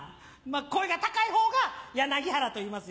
声が高い方が柳原といいます